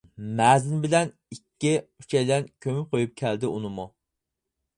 مەزىن بىلەن ئىككى، ئۈچەيلەن، كۆمۈپ قويۇپ كەلدى ئۇنىمۇ.